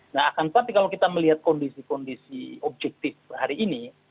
nah akan tetapi kalau kita melihat kondisi kondisi objektif hari ini